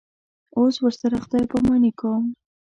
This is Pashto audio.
اوس ورسره خدای پاماني کوم.